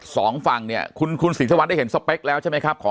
สองฝั่งเนี่ยคุณคุณศรีสวรรได้เห็นสเปคแล้วใช่ไหมครับของ